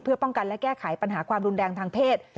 เพื่อป้องกันและแก้ไขปัญหาความรุนแรงทางเพศ